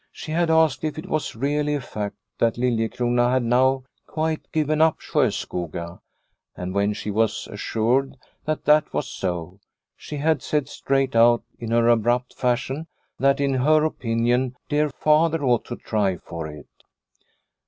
She had asked if it was really a fact that Liliecrona had now quite given up Sjoskoga, and when she was assured that that was so, she had said straight out in her abrupt fashion that in her opinion dear father ought to try for it.